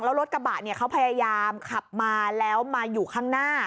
แล้วรถกระบะเนี่ยเขาพยายามขับมาแล้วมาอยู่ข้างหน้า